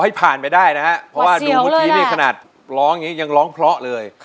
ขอให้ผ่านไปได้นะครับเพราะว่าดูบุตรนี้ขนาดร้องอย่างนี้ยังร้องเพราะเลย